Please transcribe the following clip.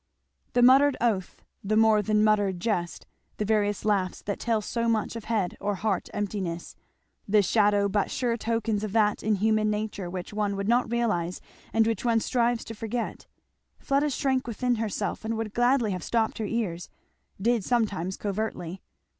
The muttered oath, the more than muttered jest, the various laughs that tell so much of head or heart emptiness, the shadowy but sure tokens of that in human nature which one would not realize and which one strives to forget; Fleda shrank within herself and would gladly have stopped her ears; did sometimes covertly.